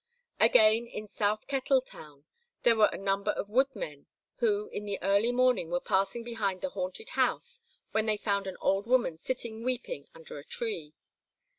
Again, in South Kettle Town, there were a number of woodmen who in the early morning were passing behind the haunted house, when they found an old woman sitting weeping under a tree.